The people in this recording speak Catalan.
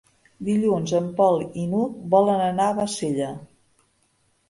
Dilluns en Pol i n'Hug volen anar a Bassella.